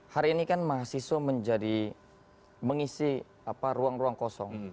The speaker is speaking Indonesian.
hari ini kan mahasiswa menjadi mengisi ruang ruang kosong